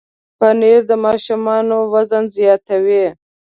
پنېر د ماشومانو وزن زیاتوي.